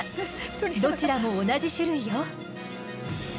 どちらも同じ種類よ。